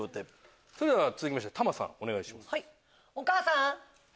続きまして玉さんお願いします。